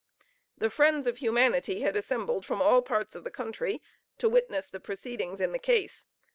The friends of humanity had assembled from all parts of the country to witness the proceedings in the case.